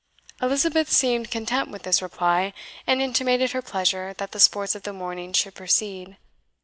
Elizabeth seemed content with this reply, and intimated her pleasure that the sports of the morning should proceed.